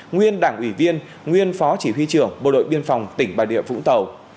nguyên đảng ủy viên nguyên phó chỉ huy trưởng bộ đội biên phòng tỉnh bà địa vũng tàu